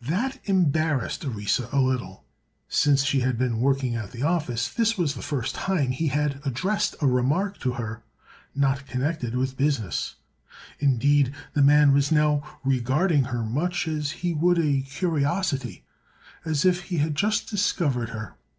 That embarrassed Orissa a little. Since she had been working at the office this was the first time he had addressed a remark to her not connected with the business. Indeed, the man was now regarding her much as he would a curiosity, as if he had just discovered her.